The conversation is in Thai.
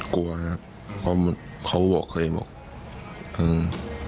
กลัวนะครับเขาบอกเคยอืม